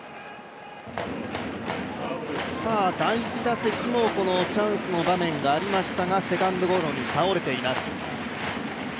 第１打席もチャンスの場面がありましたが、セカンドゴロに倒れています。